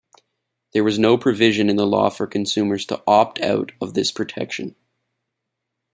There was no provision in the law for consumers to 'opt-out' of this protection.